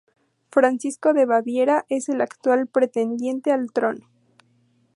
Francisco de Baviera es el actual pretendiente al trono.